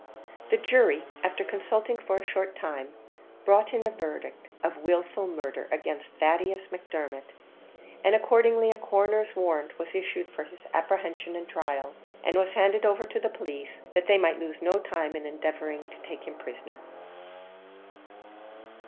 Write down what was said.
The jury, after consulting for a short time, brought in a verdict of wilful murder against Thaddeus Macdermot; and, accordingly, a coroner's warrant was issued for his apprehension and trial, and was handed over to the police, that they might lose no time in endeavouring to take him prisoner.